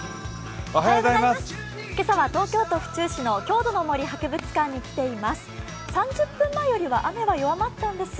今朝は東京都府中市の郷土の森博物館に来ています。